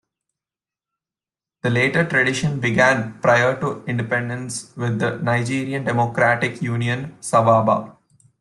The latter tradition began prior to independence with the Nigerien Democratic Union-Sawaba.